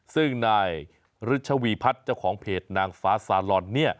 ซึ่งนายฤชวีพัฒน์เจ้าของเพจนางฟ้าซาลอน